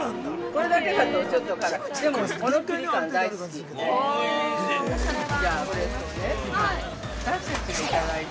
◆これだけだと、ちょっと辛い。